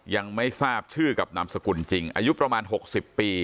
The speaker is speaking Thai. ยังไม่ทราบชื่อกับนามสกุลจริงอายุประมาณ๖๐ปี